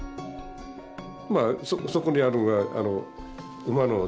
まあそこにあるのが馬の尻尾。